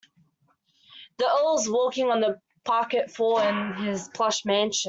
The earl is walking on the parquet floor in his plush mansion.